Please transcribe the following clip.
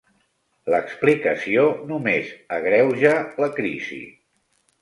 L'explicació només agreuja la crisi.